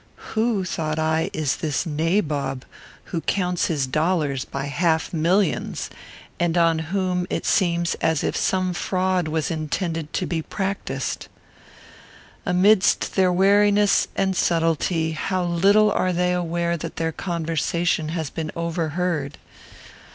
Who, thought I, is this nabob who counts his dollars by half millions, and on whom it seems as if some fraud was intended to be practised? Amidst their wariness and subtlety, how little are they aware that their conversation has been overheard!